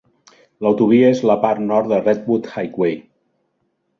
L'autovia és la part nord de Redwood Highway.